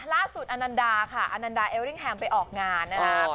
ล่าสุดอันนันดาค่ะอันนันดาเอลริงแฮมไปออกงานนะครับ